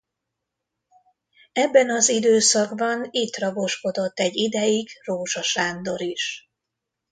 Ebben az időszakban itt raboskodott egy ideig Rózsa Sándor is.